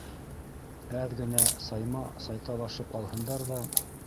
Әҙ генә сайма-сай талашып алһындар ҙа...